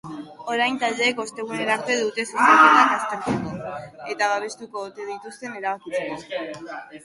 Orain taldeek ostegunera arte dute zuzenketak aztertzeko, eta babestuko ote dituzten erabakitzeko.